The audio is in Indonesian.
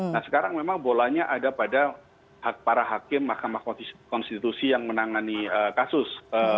nah sekarang memang bolanya ada pada hak para hakim mahkamah konstitusi yang menangani kasus